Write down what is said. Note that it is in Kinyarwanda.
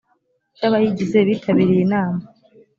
cy abayigize bitabiriye inama